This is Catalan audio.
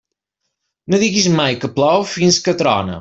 No digues mai que plou fins que trone.